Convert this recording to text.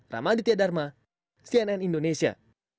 ramaditya dharma cnn indonesia